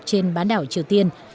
trên bán đảo triều tiên